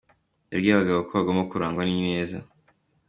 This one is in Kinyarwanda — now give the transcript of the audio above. Yabwiye abagabo ko bagomba kurangwa n’ineza.